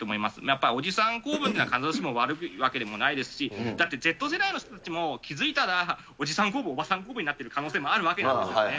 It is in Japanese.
やっぱり、おじさん構文が必ずしも悪いわけでもないですし、だってＺ世代の人たちも、気付いたら、おじさん構文、おばさん構文になってる可能性もあるわけですよね。